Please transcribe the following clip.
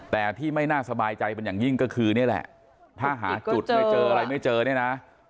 แต่ที่ไม่น่าสบายใจเป็นอย่างยิ่งก็คือนี่แหละถ้าหาจุดไม่เจออะไรไม่เจอเนี่ยนะ